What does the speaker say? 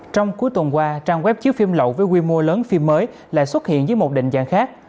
trong cuối tuần qua trang web chiếu phim lậu với quy mô lớn phim mới lại xuất hiện dưới một định dạng khác